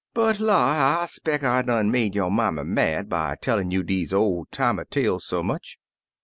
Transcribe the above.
But la! I 'speck I done make yo' mammy mad by tellin' you deze ol' timey tales so much.